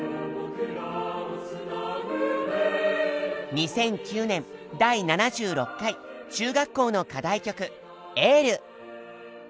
２００９年第７６回中学校の課題曲「ＹＥＬＬ」。